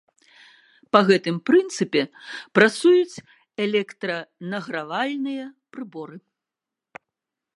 Па гэтым прынцыпе працуюць электранагравальныя прыборы.